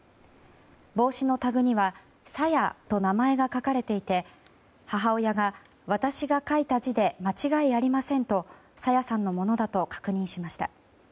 帽子のタグには「さや」と名前が書かれていて母親が、私が書いた字で間違いありませんと朝芽さんのものだと確認しました。